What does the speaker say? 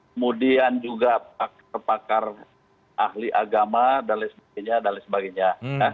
kemudian juga pakar pakar ahli agama dan lain sebagainya